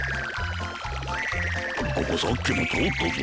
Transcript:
ここさっきもとおったぞ。